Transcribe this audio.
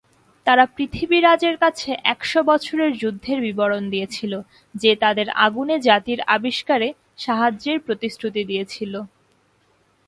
তারা পৃথিবী রাজের কাছে একশো বছরের যুদ্ধের বিবরণ দিয়েছিল, যে তাদের আগুনে জাতির আবিষ্কারে সাহায্যের প্রতিশ্রুতি দিয়েছিল।